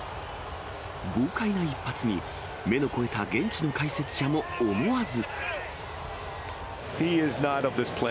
豪快な一発に、目の肥えた現地の解説者も思わず。